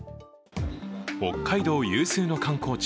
北海道有数の観光地